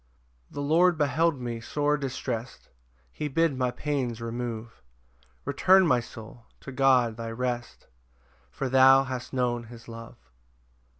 5 The Lord beheld me sore distrest, He bid my pains remove: Return, my soul, to God thy rest, For thou hast known his love.